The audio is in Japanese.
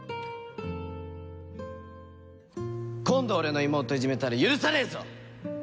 今度俺の妹いじめたら許さねえぞ！